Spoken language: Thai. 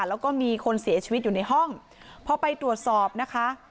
แล้วก็มีคนเสียชีวิตอยู่ในห้องพอไปตรวจสอบนะคะ